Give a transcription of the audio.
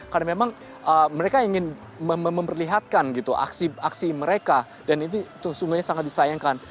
karena memang mereka ingin memperlihatkan aksi aksi mereka dan itu sungguhnya sangat disayangkan